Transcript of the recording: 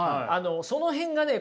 その辺がね